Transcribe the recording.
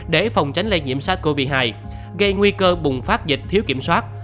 để phòng tránh lây nhiễm sars cov hai gây nguy cơ bùng phát dịch thiếu kiểm soát